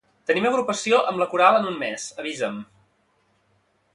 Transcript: Tenim agrupació amb la coral en un mes, avisa'm.